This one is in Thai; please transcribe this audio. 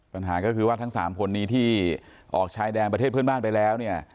ปัญหาก็คือว่าทั้ง๓คนนี้ที่ออกชายแดนประเทศเพื่อนบ้านไปแล้วเนี่ย